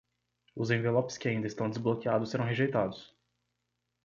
Os envelopes que ainda estão desbloqueados serão rejeitados.